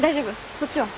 そっちは？